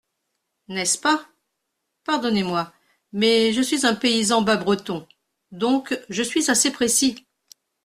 N’est-ce pas ? Pardonnez-moi, mais je suis un paysan bas-breton, donc je suis assez précis.